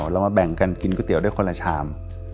เรามาแบ่งกันกินก๋วยเตี๋ยวได้คนละชาม